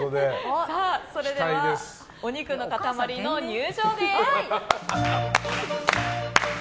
それではお肉の塊の入場です。